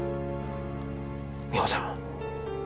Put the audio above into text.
美穂さん。